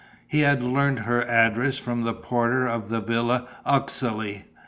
He had learnt her address from the porter of the Villa Uxeley.